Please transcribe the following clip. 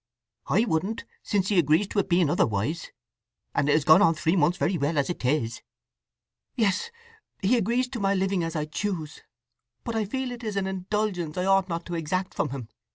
"I wouldn't—since he agrees to it being otherwise, and it has gone on three months very well as it is." "Yes—he agrees to my living as I choose; but I feel it is an indulgence I ought not to exact from him.